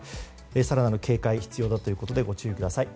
更なる警戒が必要ということでご注意ください。